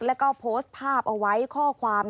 แล้วก็โพสต์ภาพเอาไว้ข้อความ